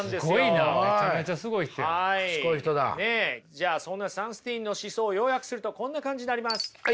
じゃあそんなサンスティーンの思想を要約するとこんな感じになります。